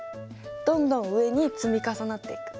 どんどん上に積み重なっていく。